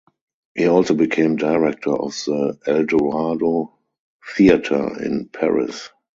He also became director of the Eldorado theatre in Paris.